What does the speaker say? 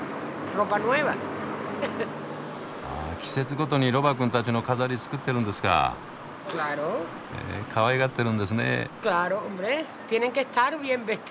あ季節ごとにロバくんたちの飾り作ってるんですか？へかわいがってるんですね。